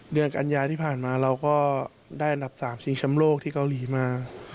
เดือนกันยาที่ผ่านมาเราก็ได้อันดับ๓ชิงแชมป์โลกที่เกาหลีมา